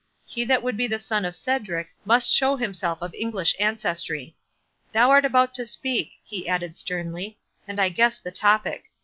He that would be the son of Cedric, must show himself of English ancestry.—Thou art about to speak," he added, sternly, "and I guess the topic.